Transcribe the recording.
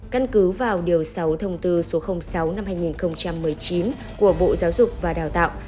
căn cứ vào điều sáu thông tư số sáu năm hai nghìn một mươi chín của bộ giáo dục và đào tạo